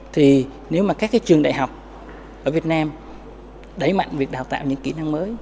thì nếu mà các cái trường đại học ở việt nam đẩy mạnh việc đào tạo những kỹ năng mới